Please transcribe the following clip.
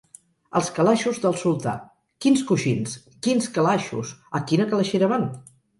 Els calaixos del sultà. Quins coixins! Quins calaixos! A quina calaixera van?